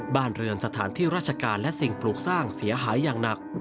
บ้านเรือนสถานที่ราชการและสิ่งปลูกสร้างเสียหายอย่างหนัก